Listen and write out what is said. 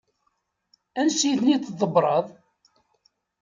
Ansi i ten-id-tḍebbreḍ?